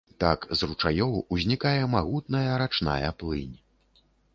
Так з ручаёў узнікае магутная рачная плынь.